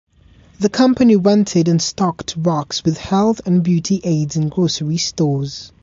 The company rented and stocked racks with health and beauty aids in grocery stores.